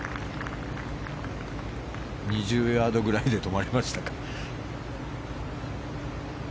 ２０ヤードぐらいで止まりましたか。